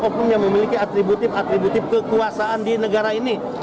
oknum yang memiliki atributif atributif kekuasaan di negara ini